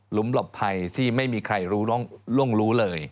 หลบภัยที่ไม่มีใครรู้ล่วงรู้เลย